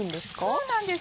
そうなんです。